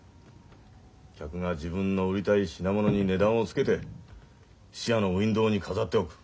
客が自分の売りたい品物に値段を付けて質屋のウインドーに飾っておく。